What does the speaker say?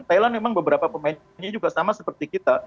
thailand memang beberapa pemainnya juga sama seperti kita